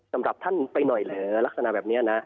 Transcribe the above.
สำหรับท่านไปหน่อยเหรอลักษณะแบบนี้นะ